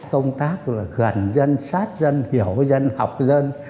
công tác gần dân sát dân hiểu dân học dân